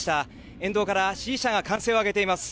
沿道から支持者が歓声を上げています。